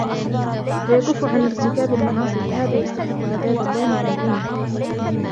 وَيَكُفُّ عَنْ ارْتِكَابِ الْمَعَاصِي فَهَذَا يَسْتَحِقُّ عَذَابَ اللَّاهِي عَنْ دِينِهِ